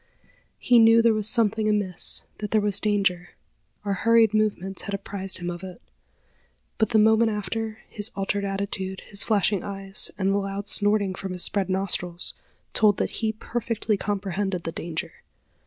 He knew there was something amiss that there was danger. Our hurried movements had apprised him of it; but the moment after, his altered attitude, his flashing eyes, and the loud snorting from his spread nostrils, told that he perfectly comprehended the danger.